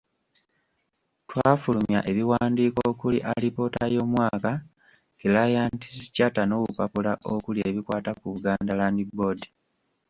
Twafulumya ebiwandiiko okuli; Alipoota y’omwaka, Clients’ Charter n’obupapula okuli ebikwata ku Bugand Land Board.